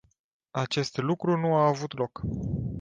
Acest lucru nu a avut loc.